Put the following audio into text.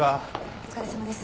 お疲れさまです。